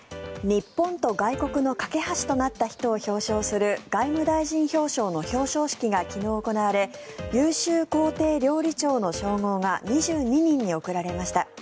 日本と外国の懸け橋となった人を表彰する外務大臣表彰の表彰式が昨日、行われ優秀公邸料理長の称号が２２人に送られました。